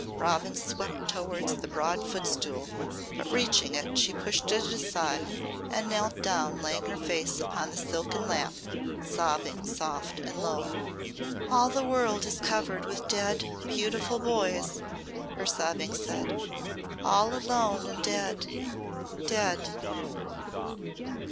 Robin swept towards the broad footstool but reaching it she pushed it aside and knelt down laying her face upon the silken lap sobbing soft and low. "All the world is covered with dead beautiful boys!" her sobbing said. "All alone and dead dead!"